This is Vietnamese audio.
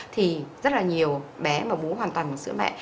thì rất là nhiều bé mà bú hoàn toàn sữa mẹ